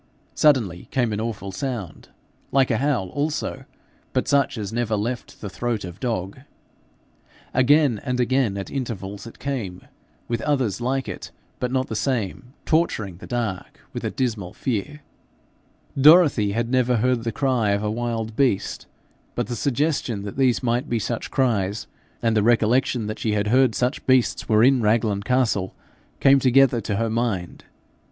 Suddenly came an awful sound like a howl also, but such as never left the throat of dog. Again and again at intervals it came, with others like it but not the same, torturing the dark with a dismal fear. Dorothy had never heard the cry of a wild beast, but the suggestion that these might be such cries, and the recollection that she had heard such beasts were in Raglan Castle, came together to her mind.